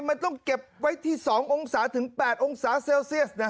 มันต้องเก็บไว้ที่๒องศาถึง๘องศาเซลเซียส